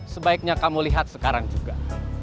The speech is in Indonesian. sebaiknya kamu lihat sekarang juga